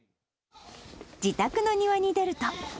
自宅の庭に出ると。